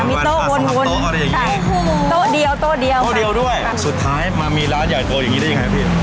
มีโต๊ะวนใช่โต๊ะเดียวค่ะสุดท้ายมามีร้านใหญ่โต๊ะอย่างนี้ได้ยังไงครับพี่